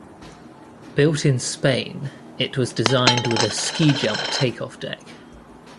Built in Spain, it was designed with a "ski-jump" takeoff deck.